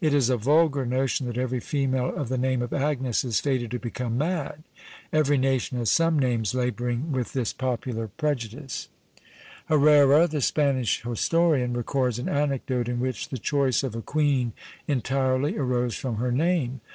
It is a vulgar notion that every female of the name of Agnes is fated to become mad. Every nation has some names labouring with this popular prejudice. Herrera, the Spanish historian, records an anecdote in which the choice of a queen entirely arose from her name.